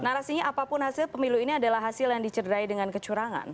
narasinya apapun hasil pemilu ini adalah hasil yang dicederai dengan kecurangan